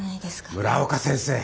村岡先生。